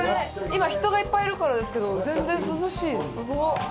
今人がいっぱいいるからですけど全然涼しい。